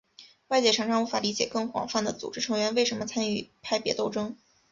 外界常常无法理解更广泛的组织成员为什么参与派别斗争。